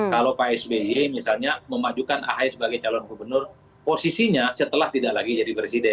kalau pak sby misalnya memajukan ahy sebagai calon gubernur posisinya setelah tidak lagi jadi presiden